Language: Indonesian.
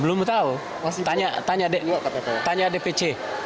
belum tahu tanya dpc